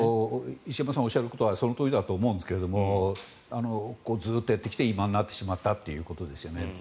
石山さんがおっしゃることはそのとおりだと思うんですけどもずっとやってきて今になってしまったということですよね。